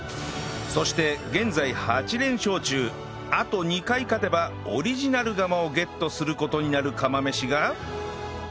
そして現在８連勝中あと２回勝てばオリジナル釜をゲットする事になる釜飯が